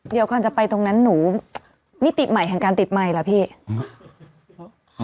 เดี๋ยวเขาจะไปตรงนั้นนิติไหมในการติดใหม่ล่ะพี่